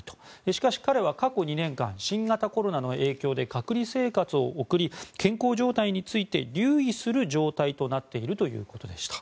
しかし彼は過去２年間新型コロナの影響で隔離生活を送り健康状態について留意する状態となっているということでした。